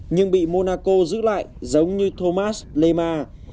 nhưng bị monaco giữ lại giống như thomas leymar